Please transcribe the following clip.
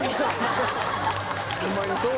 ホンマにそうよ。